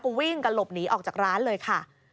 ก็วิ่งกันหลบหนีออกจากร้านเลยค่ะ